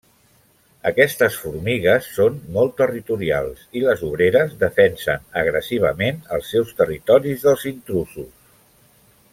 Aquestes formigues són molt territorials i les obreres defensen agressivament els seus territoris dels intrusos.